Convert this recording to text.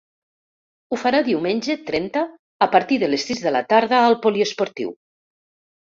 Ho farà diumenge, trenta, a partir de les sis de la tarda, al poliesportiu.